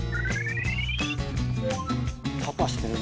パパしてるな。